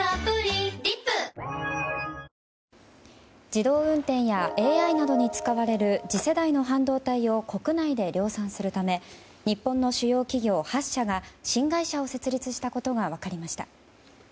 自動運転やＡＩなどに使われる次世代の半導体を国内で量産するため日本の企業８社が新会社を設立したことが分かりました。